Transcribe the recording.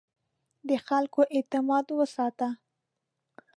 د خلکو اعتماد وساته.